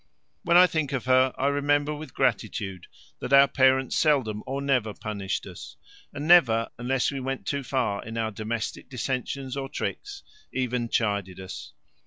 When I think of her I remember with gratitude that our parents seldom or never punished us, and never, unless we went too far in our domestic dissensions or tricks, even chided us.